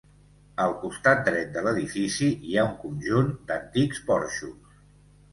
Al costat dret de l'edifici hi ha un conjunt d'antics porxos.